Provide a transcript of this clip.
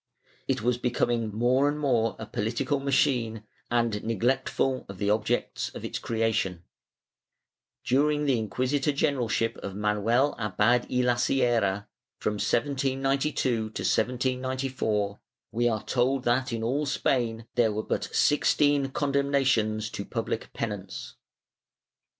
It was becoming more and more a political machine and neglectful of the objects of its creation. During the inquisitor generalship of Manuel Abad y la Sierra, from 1792 to 1794, we are told that, in all Spain, there were but sixteen condemnations to public penance.